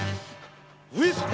上様